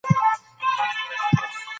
هره ورځ لږ تر لږه یو ځل غسل وکړئ.